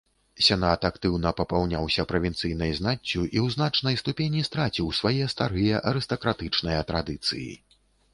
Сенат актыўна папаўняўся правінцыйнай знаццю і ў значнай ступені страціў свае старыя арыстакратычныя традыцыі.